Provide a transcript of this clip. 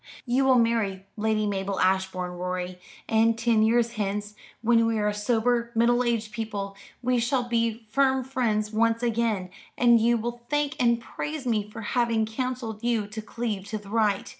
You will marry Lady Mabel Ashbourne, Rorie: and ten years hence, when we are sober middle aged people, we shall be firm friends once again, and you will thank and praise me for having counselled you to cleave to the right.